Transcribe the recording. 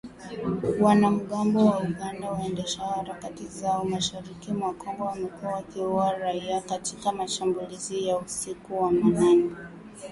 Wanamgambo wa Uganda waendeshao harakati zao mashariki mwa Kongo, wamekuwa wakiua raia katika mashambulizi ya usiku wa manane.